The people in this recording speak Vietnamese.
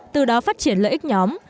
từ đó phát triển lợi ích nhóm